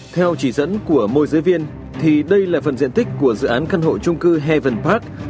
theo chỉ dẫn của môi giới viên thì đây là phần diện tích của dự án căn hộ trung cư heaven park